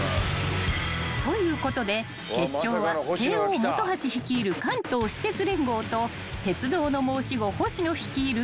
［ということで決勝は帝王本橋率いる関東私鉄連合と鉄道の申し子星野率いる